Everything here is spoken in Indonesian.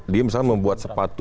dia misalnya membuat serata serata